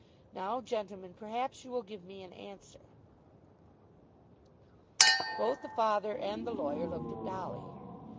Now gentlemen, perhaps you will give me an answer." Both the father and the lawyer looked at Dolly.